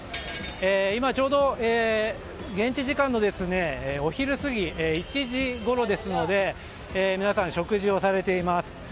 今、ちょうど現地時間のお昼過ぎ、１時ごろですので皆さん食事をされています。